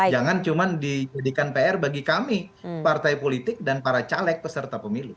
jangan cuma dijadikan pr bagi kami partai politik dan para caleg peserta pemilu